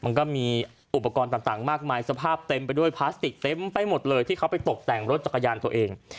มันก็มีอุปกรณ์ต่างมากมายสภาพเต็มไปด้วยพลาสติกเต็มไปหมดเลยที่เขาไปตกแต่งรถจักรยานตัวเอง